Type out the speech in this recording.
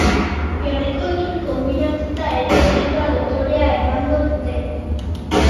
Gerrikoekin konbinatuta ere itxura dotorea emango dute.